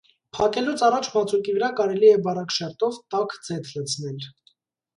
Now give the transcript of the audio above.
Փակելուց առաջ մածուկի վրա կարելի է բարակ շերտով տաք ձեթ լցնել։